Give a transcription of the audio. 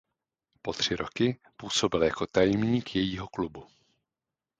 Po tři roky působil jako tajemník jejího klubu.